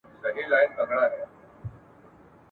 هغه کسان چي کتاب لولي د فکر په ډګر کي تل مخکي روان وي ..